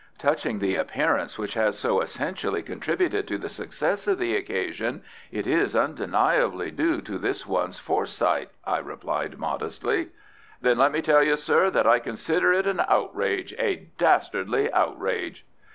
"Touching the appearance which has so essentially contributed to the success of the occasion, it is undeniably due to this one's foresight," I replied modestly. "Then let me tell you, sir, that I consider it an outrage a dastardly outrage."